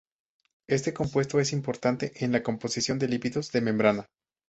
Este compuesto es importante en la composición de lípidos de membrana.